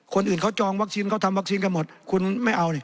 คนอื่นเขาจองวัคซีนเขาทำวัคซีนกันหมดคุณไม่เอานี่